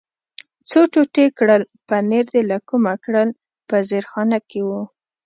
څو ټوټې کړل، پنیر دې له کومه کړل؟ په زیرخانه کې و.